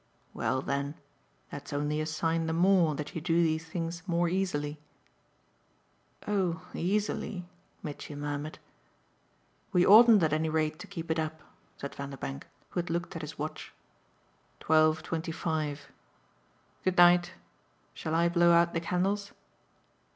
"Well then, that's only a sign the more that you do these things more easily." "Oh 'easily'!" Mitchy murmured. "We oughtn't at any rate to keep it up," said Vanderbank, who had looked at his watch. "Twelve twenty five good night. Shall I blow out the candles?"